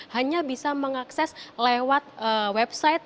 hanya bisa mengakses lewat website